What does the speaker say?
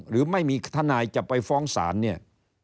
หรือไม่มีทนายจะไปฟ้องศาลเนี่ย